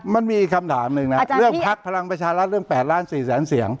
มันมีอีกคำถามหนึ่งนะเรื่องพักพลังประชารัฐเรื่อง๘ล้าน๔แสนเสียง